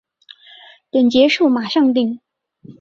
等结束马上订